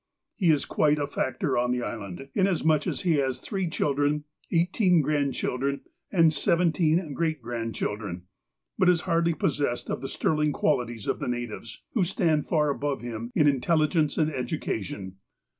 He is quite a fac tor on the island, inasmuch as he has three children, eighteen grandchildren, and seventeen great grandchil dren ; but is hardly possessed of the sterling qualities of the natives, who stand far above him in intelligence and education.